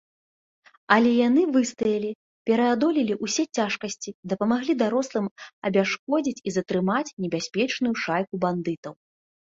Але яны выстаялі, пераадолелі ўсе цяжкасці, дапамаглі дарослым абясшкодзіць і затрымаць небяспечную шайку бандытаў.